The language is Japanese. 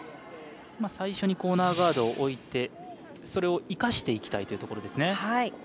最初にコーナーガードを置いてそれを生かしていきたいというところですね。